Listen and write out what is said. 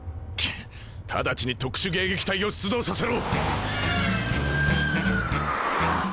直ちに特殊迎撃隊を出動させろ！